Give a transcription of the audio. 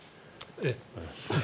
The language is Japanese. ええ。